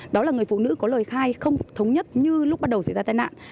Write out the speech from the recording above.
đó là người phụ nữ có lời khai không thống nhất như lúc bắt đầu xảy ra tai nạn